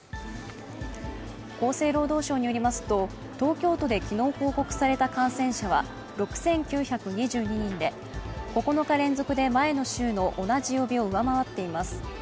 厚生労働省によりますと東京都で昨日報告された感染者は６９２２人で、９日連続で前の週の同じ曜日を上回っています。